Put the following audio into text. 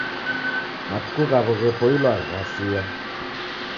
Matuku ghaw'o ghepoilwa ghasia.